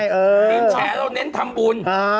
ทีมแฉเราเน้นทรรมบุญอ่า